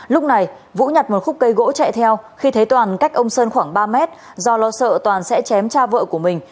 lúc này vũ nhặt một khúc cây gỗ chạy theo khi thấy toàn cách ông sơn khoảng ba mét do lo sợ toàn sẽ chém cha vợ của mình